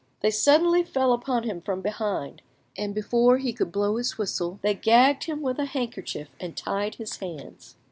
They suddenly fell upon him from behind, and before he could blow his whistle, they gagged him with a handkerchief and tied his hands.